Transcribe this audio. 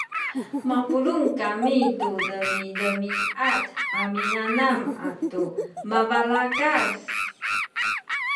mapulung kami tu demidemiad a minanam atu mabalakas